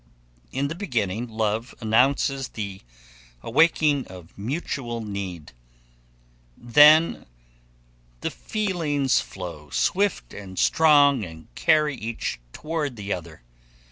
In the beginning love announces the awakening of mutual need. Then the feelings flow swift and strong and carry each toward the other.